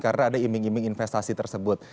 karena ada iming iming investasi tersebut